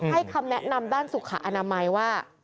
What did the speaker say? คำแนะนำด้านสุขอนามัยว่า